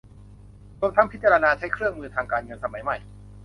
รวมทั้งพิจารณาใช้เครื่องมือทางการเงินสมัยใหม่